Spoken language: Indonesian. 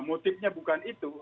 motifnya bukan itu